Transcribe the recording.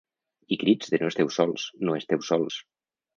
I crits de ‘no esteu sols, no esteu sols’.